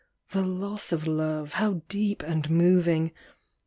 The loss of Love, how deep and moving